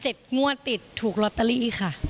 เจ็บงั่วติดถูกลอตเตอลี่ค่ะ